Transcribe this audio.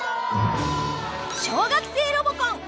「小学生ロボコン」！